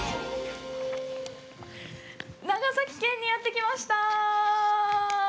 長崎県にやってきました！